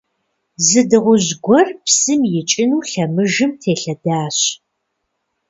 Зы дыгъужь гуэр псым икӀыну лъэмыжым телъэдащ.